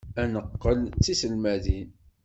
Ad neqqel d tiselmadin.